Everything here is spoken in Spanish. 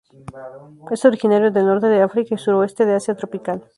Es originario del Norte de África y suroeste de Asia tropical.